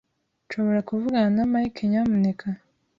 Nshobora kuvugana na Mike, nyamuneka?